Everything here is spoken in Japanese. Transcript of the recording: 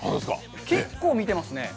結構見てますね。